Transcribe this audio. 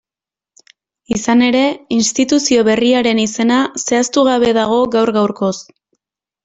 Izan ere, instituzio berriaren izena zehaztugabe dago gaur-gaurkoz.